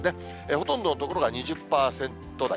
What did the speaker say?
ほとんどの所が２０％台。